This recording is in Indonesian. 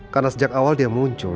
karena sejak awal dia muncul